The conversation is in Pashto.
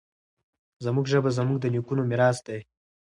زموږ ژبه زموږ د نیکونو میراث دی.